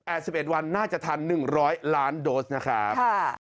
สิบเอ็ดวันน่าจะทันหนึ่งร้อยล้านโดสนะครับค่ะ